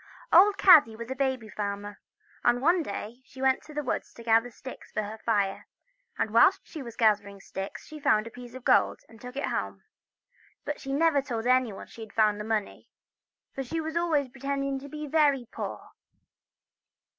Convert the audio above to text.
OLD Kaddy was a baby farmer, and one day she went to the woods to gather sticks for her fire, and whilst she was gathering the sticks she found a piece of gold, and took it home ; but she never told anyone she had found the money, for she always pre tended to be very poor.